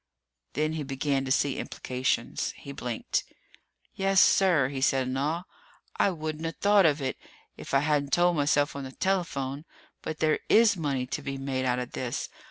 Then he began to see implications. He blinked. "Yes, sir!" he said in awe. "I wouldn't've thought of it if I hadn't told myself on the telephone, but there is money to be made out of this!